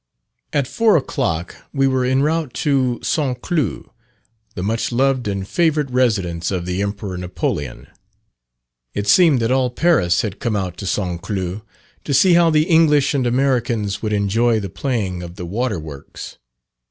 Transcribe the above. At four o'clock we were en route to St. Cloud, the much loved and favourite residence of the Emperor Napoleon. It seemed that all Paris had come out to St. Cloud to see how the English and Americans would enjoy the playing of the water works.